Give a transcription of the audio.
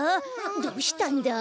どうしたんだ？